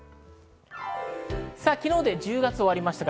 昨日で１０月は終わりました。